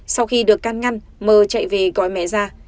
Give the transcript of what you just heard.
sau khi được can ngăn m chạy về gọi mẹ ra